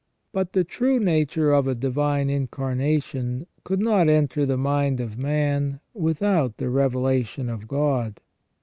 But the true nature of a Divine Incarnation could not enter the mind of man without the revelation of God.